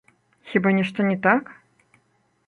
Хіба нешта не так?